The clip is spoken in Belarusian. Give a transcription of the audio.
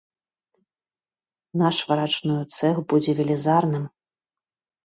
Наш варачную цэх будзе велізарным.